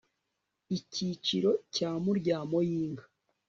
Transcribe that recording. icyiciro cya muryamo y inka